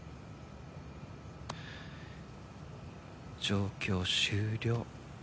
状況終了。